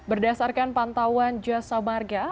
berdasarkan pantauan jasa barga